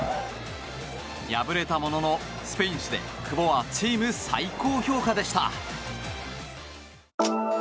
敗れたもののスペイン紙で久保はチーム最高評価でした。